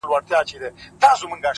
زما گراني مهرباني گلي ـ